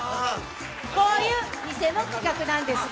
こういう偽の企画なんですが。